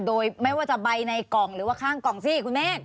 โดยไม่ว่าจะใบในกล่องหรือว่าข้างกล่องสิคุณเมฆ